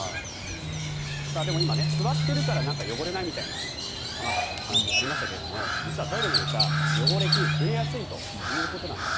でも今、座っているから汚れないみたいな玉川さんの話にありましたが実はトイレの床汚れ、菌増えやすいということです。